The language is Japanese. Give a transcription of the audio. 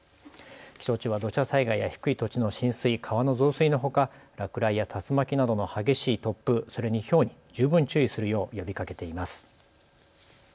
気象庁は土砂災害や低い土地の浸水、川の増水のほか落雷や竜巻などの激しい突風それにひょうに十分注意するよう呼びかけています。